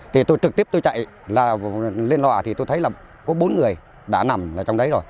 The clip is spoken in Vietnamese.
thì tôi trực tiếp tôi chạy lên loà thì tôi thấy là có bốn người đã nằm trong đấy rồi